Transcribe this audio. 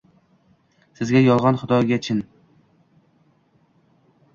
Sizga yolg‘on, xudoga chin